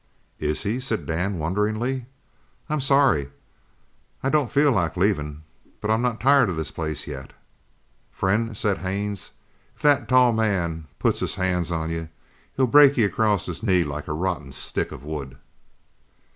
"Is he?" said Dan wonderingly. "I'm sorry I don't feel like leavin', but I'm not tired of this place yet." "Friend," said Haines, "if that tall man puts his hands on you, he'll break you across his knee like a rotten stick of wood!"